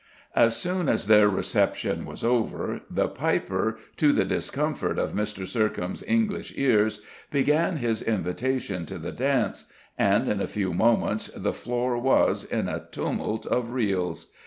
As soon as their reception was over, the piper to the discomfort of Mr. Sercombe's English ears began his invitation to the dance, and in a few moments the floor was, in a tumult of reels.